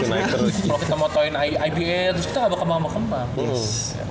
kalo kita motoin iba terus kita gak bakal kembang